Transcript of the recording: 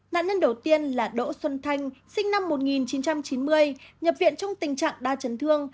nạn nhân đầu tiên là đỗ xuân thanh sinh năm một nghìn chín trăm chín mươi nhập viện trong tình trạng đa chấn thương